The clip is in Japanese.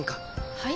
はい？